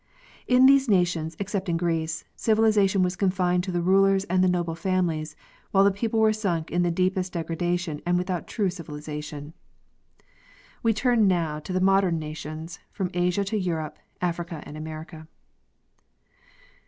In these nations, excepting Greece, civil ization was confined to the rulers and the noble families, while the people were sunk in the deepest degradation and without true civilization. . We turn now to modern nations, from Asia to Europe, Africa, and America.